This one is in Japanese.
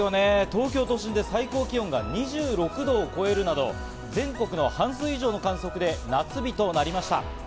東京都心で最高気温が２６度を超えるなど、全国の半数以上の観測地で夏日となりました。